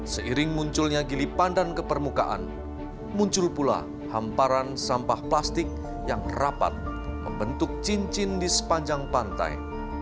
seiring munculnya gili pandan ke permukaan muncul pula hamparan sampah plastik yang rapat membentuk cincin di sepanjang pantai